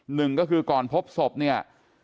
หนึ่งก็คือก่อนพบศพเนี่ย